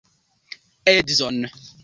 Edzon?